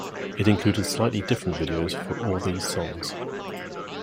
It included slightly different videos for all these songs.